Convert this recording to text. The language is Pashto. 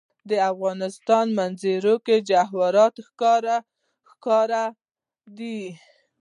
د افغانستان په منظره کې جواهرات ښکاره ده.